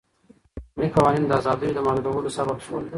بیړني قوانین د ازادیو د محدودولو سبب شول.